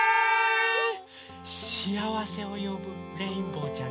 しあわせをよぶレインボーちゃんです。